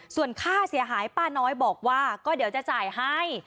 ส่วนค่าเสียหายป้าน้อยบอกว่าก็เดี๋ยวจะจ่ายให้